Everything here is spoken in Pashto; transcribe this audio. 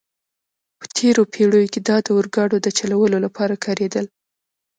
په تېرو پېړیو کې دا د اورګاډو د چلولو لپاره کارېدل.